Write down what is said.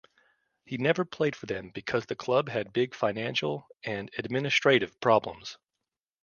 He never played for them because the club had big financial and administrative problems.